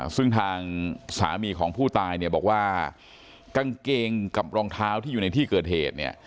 ซึ่งทางสามีของผู้ตายเนี่ยบอกว่ากางเกงกับรองเท้าที่อยู่ในที่เกิดเหตุเนี่ย